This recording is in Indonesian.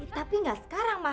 tapi gak sekarang ma